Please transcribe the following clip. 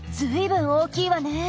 ずいぶん大きいわね。